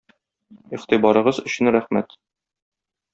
Игътибарыгыз өчен рәхмәт!